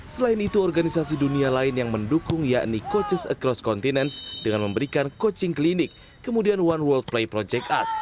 selain itu organisasi dunia lain yang mendukung yakni coachess across continuence dengan memberikan coaching klinik kemudian one woll play project us